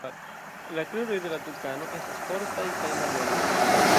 La kruroj de la tukano estas fortaj kaj mallongaj.